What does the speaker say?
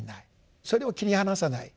それを切り離さない。